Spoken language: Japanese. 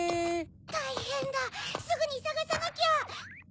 たいへんだすぐにさがさなきゃ！